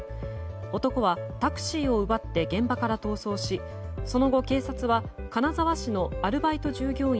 男はタクシーを奪って現場から逃走しその後、警察は金沢市のアルバイト従業員